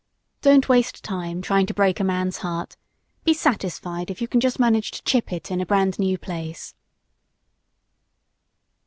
Don't waste time trying to break a man's heart; be satisfied if you can just manage to chip it in a brand new place.